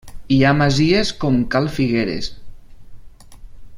Hi ha masies com Cal Figueres.